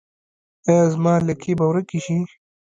ایا زما لکې به ورکې شي؟